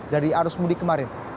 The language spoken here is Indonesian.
dari arus mudik kemarin